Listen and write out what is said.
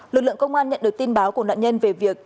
lực lượng công an nhận được tin báo của nạn nhân về việc